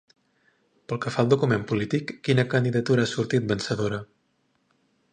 Pel que fa al document polític quina candidatura ha sortit vencedora?